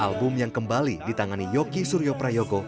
album yang kembali ditangani yoki suryo prayogo